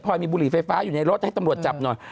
พอยมีบุหรี่ไฟฟ้าอยู่ในรถให้ตำรวจจับหน่อย